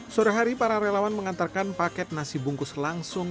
sore hari para relawan mengantarkan paket nasi bungkus langsung